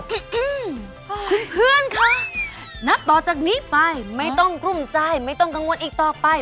อืมเพื่อนคะนับต่อจากนี้ไปไม่ต้องกลุ้มใจไม่ต้องกังวลอีกต่อไป